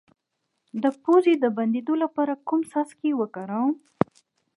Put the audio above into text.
د پوزې د بندیدو لپاره کوم څاڅکي وکاروم؟